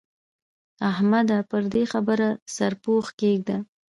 احمده! پر دې خبره سرپوښ کېږده.